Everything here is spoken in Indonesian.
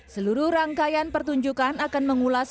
seluruh rangkaian pertunjukan akan mengulas